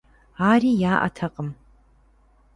Ари яӏэтэкъым.